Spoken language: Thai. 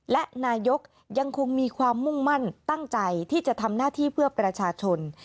และนายกยังคงมีความมุ่งมั่นตั้งใจที่จะทำหน้าที่เพื่อประชาชน